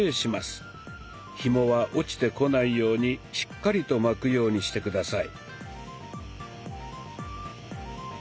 ひもは落ちてこないようにしっかりと巻くようにして下さい。